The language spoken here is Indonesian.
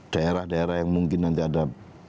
daerah daerah yang mungkin nanti ada